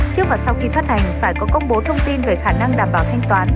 trước và sau khi phát hành phải có công bố thông tin về khả năng đảm bảo thanh toán